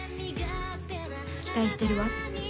期待してるわ。